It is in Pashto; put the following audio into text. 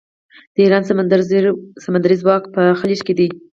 د ایران سمندري ځواک په خلیج کې دی.